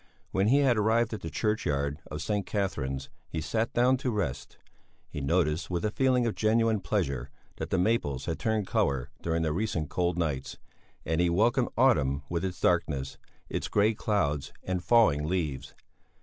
When he had arrived at the churchyard of St. Catherine's he sat down to rest; he noticed with a feeling of genuine pleasure that the maples had turned colour during the recent cold nights, and he welcomed autumn with its darkness, its grey clouds, and falling leaves.